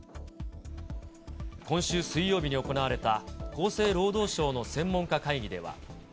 今週水曜日に行われた厚生労働省の専門家会議では。